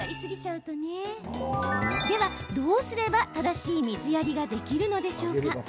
では、どうすれば正しい水やりができるのでしょうか。